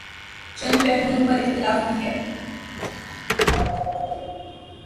چند پہلوئوں پر اختلاف بھی ہے۔